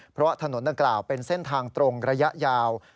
เพราะถนนดังกล่าวเป็นเส้นทางตรงระยะยาว